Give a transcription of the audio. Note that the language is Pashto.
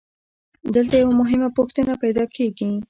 دلته یوه مهمه پوښتنه پیدا کېږي